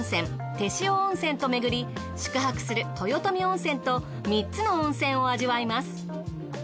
天塩温泉と巡り宿泊する豊富温泉と３つの温泉を味わいます。